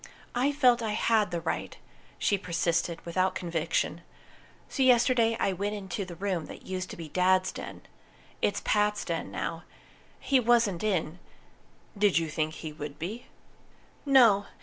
"I felt I had the right," she persisted, without conviction. "So yesterday I went into the room that used to be Dad's den. It's Pat's den now. He wasn't in " "Did you think he would be?" "No o.